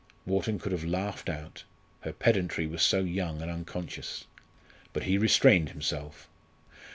Wharton could have laughed out her pedantry was so young and unconscious. But he restrained himself.